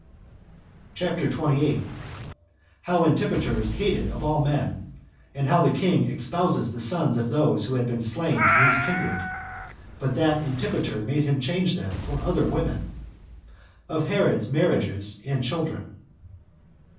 CHAPTER 28. How Antipater Is Hated Of All Men; And How The King Espouses The Sons Of Those That Had Been Slain To His Kindred; But That Antipater Made Him Change Them For Other Women. Of Herod's Marriages, And Children.